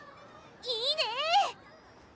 いいね！